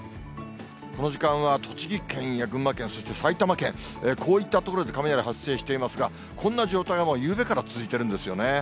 この時間は栃木県や群馬県、そして埼玉県、こういった所で雷発生していますが、こんな状態がもう、ゆうべから続いてるんですよね。